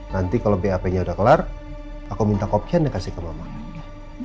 nanti kalau bap nya udah kelar aku minta kopian dan kasih ke mama